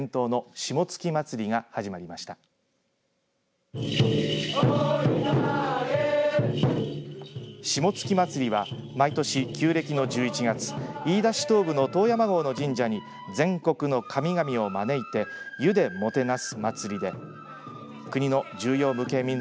霜月祭りは毎年、旧暦の１１月飯田市東部の遠山郷の神社に全国の神々を招いて湯でもてなす祭りで国の重要無形民俗